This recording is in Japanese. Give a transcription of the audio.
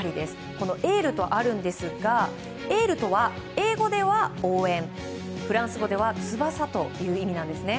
このエールとあるんですがエールとは英語では応援フランス語では翼という意味なんですね。